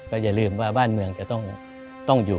อย่าลืมว่าบ้านเมืองจะต้องอยู่